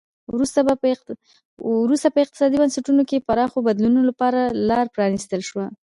وروسته په اقتصادي بنسټونو کې پراخو بدلونونو لپاره لار پرانیستل شوه.